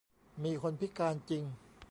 มีคนพิการจริง